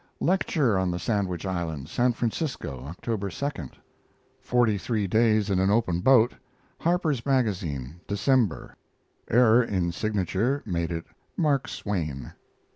Lecture on the Sandwich Islands, San Francisco, October 2. FORTY THREE DAYS IN AN OPEN BOAT Harper's Magazine, December (error in signature made it Mark Swain).